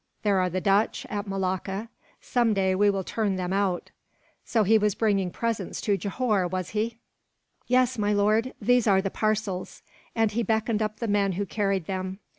"There are the Dutch, at Malacca some day we will turn them out. "So he was bringing presents to Johore, was he?" "Yes, my lord; these are the parcels," and he beckoned up the men who carried them.